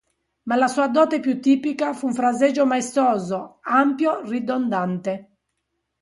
Ma la sua dote più tipica fu un fraseggio maestoso, ampio, ridondante.